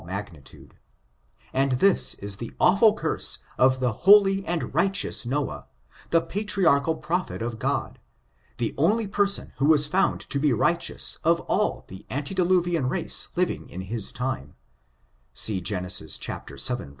83 magnitude; and this is the awfvl curse of the holy and righteous Noah, the patriarchal prophet of God, the only person who was found to be righteous of all the antediluvian race living in his time; see Gen. vii, 1.